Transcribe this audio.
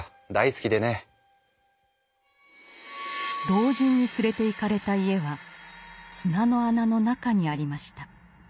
老人に連れていかれた家は砂の穴の中にありました。